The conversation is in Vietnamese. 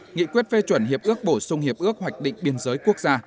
nghị quyết phê chuẩn hiệp ước bổ sung hiệp ước hoạch định biên giới quốc gia